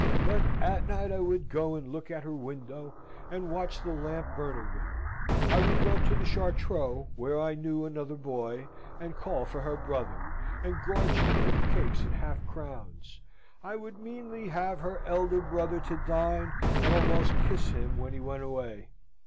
But at night I would go and look at her window, and watch the lamp burning there; I would go to the Chartreux (where I knew another boy), and call for her brother, and gorge him with cakes and half crowns. I would meanly have her elder brother to dine, and almost kiss him when he went away.